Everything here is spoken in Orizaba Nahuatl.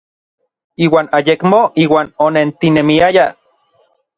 Iuan ayekmo iuan onentinemiayaj.